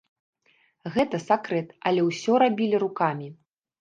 Гэта сакрэт, але ўсё рабілі рукамі.